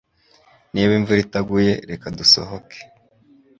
Niba imvura itaguye reka dusohoke